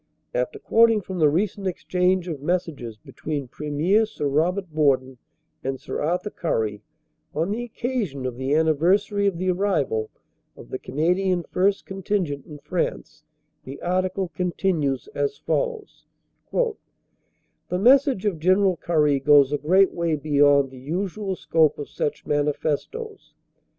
After quoting from the recent exchange of messages between Premier Sir Robert Borden and Sir Arthur Currie on the occasion of the anniversary of the arrival of the Canadian First Contingent in France, the article continues as follows : "The message of General Currie goes a great way beyond the usual scope of such manifestoes.